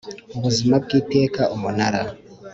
ubuzima bw iteka Umunara